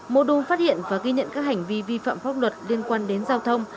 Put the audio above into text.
mô đun phát hiện và ghi nhận các hành vi vi phạm pháp luật liên quan đến giao thông